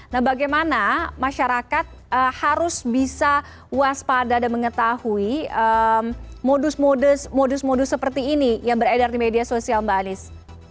nah bagaimana masyarakat harus bisa waspada dan mengetahui modus modus modus seperti ini yang beredar di media sosial mbak anies